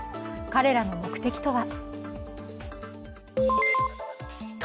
彼らの目的とは。